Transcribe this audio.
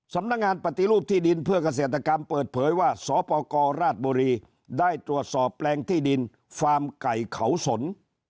สำนักงานปฏิรูปที่ดินเพื่อเกษตรกรรมเปิดเผยว่าสปกรราชบุรีได้ตรวจสอบแปลงที่ดินฟาร์มไก่เขาสน